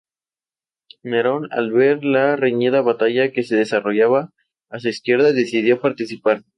Anunciando que no quedaban soldados vivos tras las líneas enemigas.